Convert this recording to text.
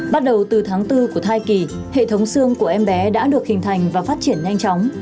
bắt đầu từ tháng bốn của thai kỳ hệ thống xương của em bé đã được hình thành và phát triển nhanh chóng